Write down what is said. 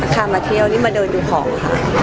ค่ะมาเที่ยวนี่มาเดินดูของค่ะ